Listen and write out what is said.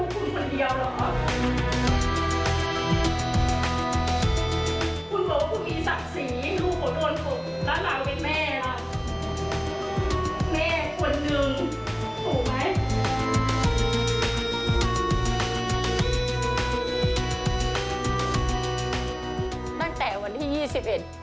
สุดท้ายสุดท้ายสุดท้ายสุดท้าย